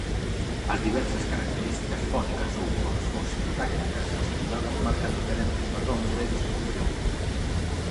As diversas características fónicas ou morfosintácticas estudadas marcan diferentes padróns de distribución.